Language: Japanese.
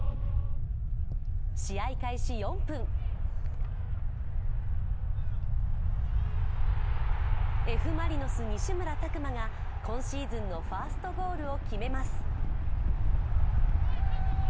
試合開始４分Ｆ・マリノス、西村拓真が今シーズンのファーストゴールを決めます。